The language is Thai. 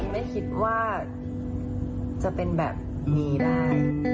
ไม่คิดว่าจะเป็นแบบนี้ได้